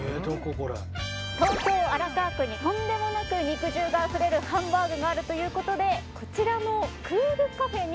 東京荒川区にとんでもなく肉汁があふれるハンバーグがあるという事でこちらの。